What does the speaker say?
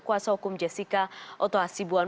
kuasa hukum jessica otoha sibuan